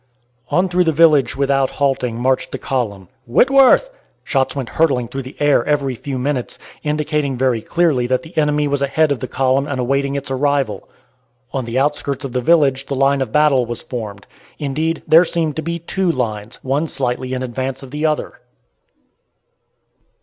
On through the village without halting marched the column. "Whitworth" shots went hurtling through the air every few minutes, indicating very clearly that the enemy was ahead of the column and awaiting its arrival. On the outskirts of the village the line of battle was formed. Indeed, there seemed to be two lines, one slightly in advance of the other.